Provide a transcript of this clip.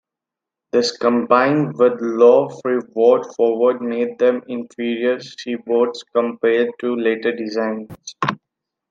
This combined with low freeboard forward made them inferior seaboats compared to later designs.